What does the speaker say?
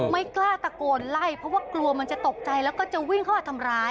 ไม่กล้าตะโกนไล่เพราะว่ากลัวมันจะตกใจแล้วก็จะวิ่งเข้ามาทำร้าย